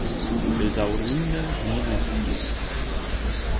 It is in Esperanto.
Bedaŭrinde mi ne scias.